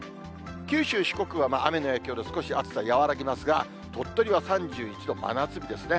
九州、四国は雨の影響で少し暑さ和らぎますが、鳥取は３１度、真夏日ですね。